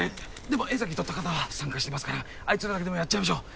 でも柄崎と高田は参加してますからあいつらだけでもやっちゃいましょう。